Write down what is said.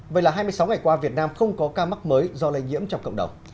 vậy là hai mươi sáu ngày qua việt nam không có ca mắc mới do lây nhiễm trong cộng đồng